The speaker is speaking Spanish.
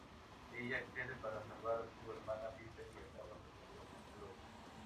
Ella accede para salvar a su hermana Piper y acaba perdiendo a Prue.